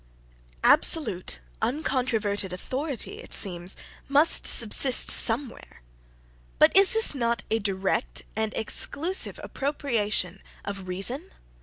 Absolute, uncontroverted authority, it seems, must subsist somewhere: but is not this a direct and exclusive appropriation of reason?